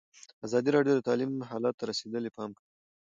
ازادي راډیو د تعلیم حالت ته رسېدلي پام کړی.